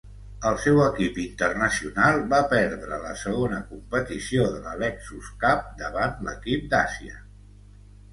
El seu equip internacional va perdre la segona competició de la Lexus Cup davant l'equip d'Àsia.